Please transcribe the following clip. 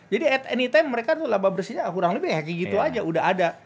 jadi at any time mereka tuh laba bersihnya kurang lebih ya kayak gitu aja udah ada